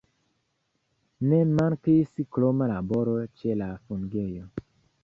Ne mankis kroma laboro ĉe la fungejo.